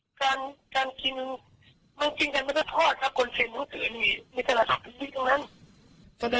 มันจริงจังมันจะทอดถ้ากลเชียร์หนังสือมีแต่ละศัพท์พิธีตรงนั้น